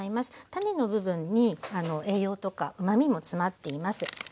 種の部分に栄養とかうまみも詰まっています。